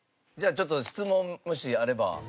じゃあちょっと質問もしあれば。